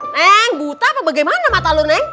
neng buta apa bagaimana mata lu neng